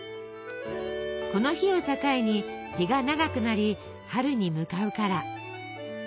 この日を境に日が長くなり春に向かうから。